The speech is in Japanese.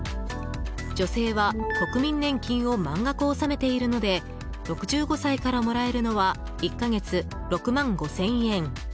女性は国民年金を満額納めているので６５歳からもらえるのは１か月６万５０００円。